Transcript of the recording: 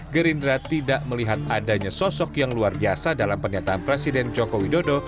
gerindra tidak melihat adanya sosok yang luar biasa dalam pernyataan presiden joko widodo